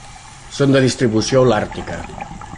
Són de distribució Holàrtica.